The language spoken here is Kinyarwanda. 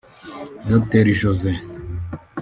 Dr Jose